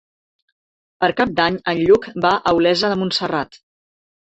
Per Cap d'Any en Lluc va a Olesa de Montserrat.